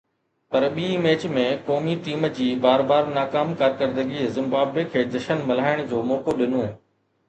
پر ٻئي ميچ ۾ قومي ٽيم جي بار بار ناڪام ڪارڪردگيءَ زمبابوي کي جشن ملهائڻ جو موقعو ڏنو.